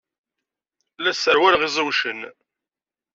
La sserwaleɣ iẓiwcen.